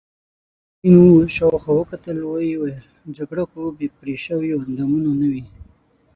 ګرګين شاوخوا وکتل، ويې ويل: جګړه خو بې پرې شويوو اندامونو نه وي.